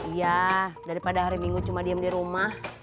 iya daripada hari minggu cuma diam di rumah